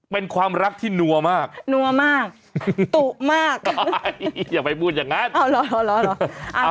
เป็นความรักที่นัวมากนัวมากตุมากอย่าไปพูดอย่างนั้น